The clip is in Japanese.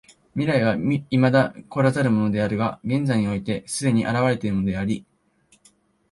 未来は未だ来らざるものであるが現在において既に現れているものであり、